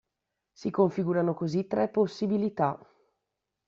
Si configurano così tre possibilità.